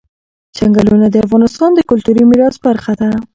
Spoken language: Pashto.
چنګلونه د افغانستان د کلتوري میراث برخه ده.